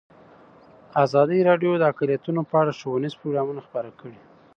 ازادي راډیو د اقلیتونه په اړه ښوونیز پروګرامونه خپاره کړي.